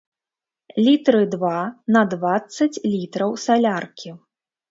Літры два на дваццаць літраў саляркі.